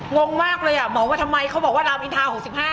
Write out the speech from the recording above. งงมากเลยบอกว่าทำไมเขาบอกว่ารามอินทา๖๕